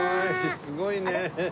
すごいね！